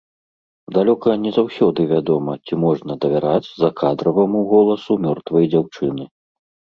Далёка не заўсёды вядома, ці можна давяраць закадраваму голасу мёртвай дзяўчыны.